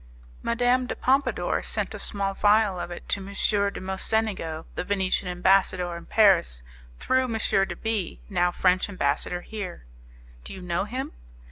"Madame de Pompadour sent a small phial of it to M. de Mocenigo, the Venetian ambassador in Paris, through M. de B , now French ambassador here." "Do you know him?"